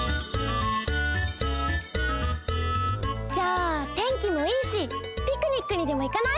じゃあ天気もいいしピクニックにでもいかない？